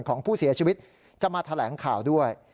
ของผู้เสียชีวิตจะมาแถลงข่าวด้วย